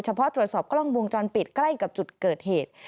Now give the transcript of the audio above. เพาะตรวจสอบกล้องวงจรปิดใกล้กับจุดเกิดเหตุ